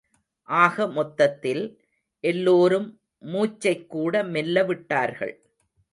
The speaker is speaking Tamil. ஆக மொத்தத்தில், எல்லோரும் மூச்சைக்கூட மெல்ல விட்டார்கள்.